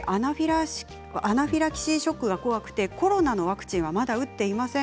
アナフィラキシーショックが怖くて、コロナのワクチンはまだ打っていません。